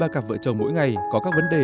ba cặp vợ chồng mỗi ngày có các vấn đề